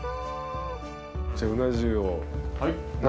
じゃあうな重を７。